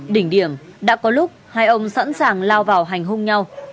đỉnh điểm đã có lúc hai ông sẵn sàng lao vào hành hung nhau